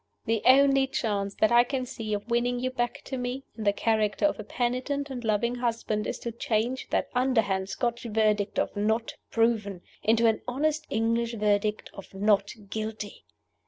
The only chance that I can see of winning you back to me, in the character of a penitent and loving husband, is to change that underhand Scotch Verdict of Not Proven into an honest English Verdict of Not Guilty.